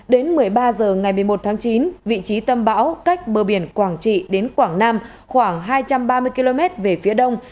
đến một mươi ba h ngày một mươi một tháng chín vị trí tâm bão cách bờ biển quảng trị đến quảng nam khoảng hai trăm ba mươi km về phía đông